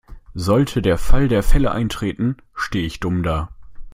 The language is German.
Sollte der Fall der Fälle eintreten, stehe ich dumm da.